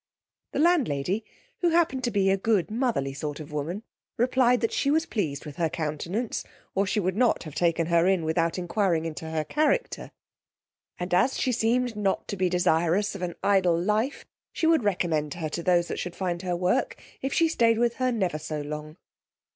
The landlady, who happened to be a good motherly sort of woman, replied, that she was pleased with her countenance, or she would not have taken her in without enquiring into her character; and as she seemed not to be desirous of an idle life, she would recommend her to those that should find her work if she stayed with her never so long.